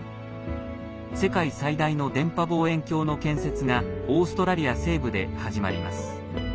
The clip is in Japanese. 世界最大の電波望遠鏡の建設がオーストラリア西部で始まります。